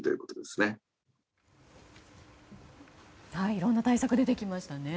いろんな対策が出てきましたね。